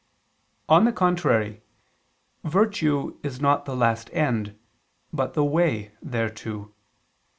On the contrary, Virtue is not the last end, but the way thereto.